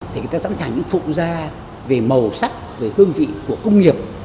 thì người ta sẵn sàng phụ ra về màu sắc về hương vị của công nghiệp